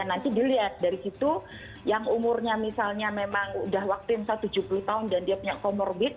nanti dilihat dari situ yang umurnya misalnya memang sudah vaksin satu ratus tujuh puluh tahun dan dia punya comorbid